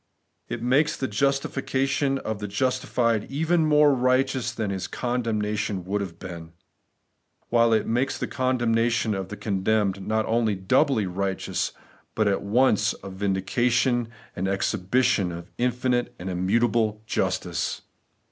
It makes the justification of the justified even more righteous than his condemnation would have been ; while it makes the condemnation of the condemned not only doubly righteous, but at once a vindication and an exhibition of infinite and immutable justice.